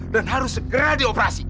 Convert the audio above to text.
dan harus segera dioperasi